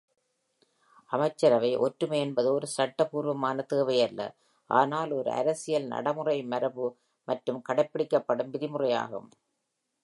அமைச்சரவை ஒற்றுமை என்பது ஒரு சட்டபூர்வமான தேவையல்ல, ஆனால் அது ஒரு அரசியல் நடைமுறை மரபு மற்றும் கடைப்பிடிக்கப்படும் விதிமுறையாகும்.